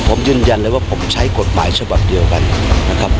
ผมยืนยันเลยว่าผมใช้กฎหมายฉบับเดียวกันนะครับ